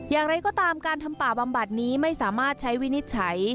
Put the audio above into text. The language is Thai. อย่างไรก็ตามการทำป่าบำบัดนี้ไม่สามารถใช้วินิจฉัย